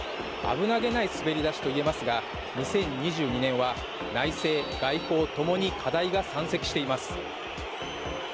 危なげない滑り出しと言えますが、２０２２年は内政、外交ともに課題が山積しています。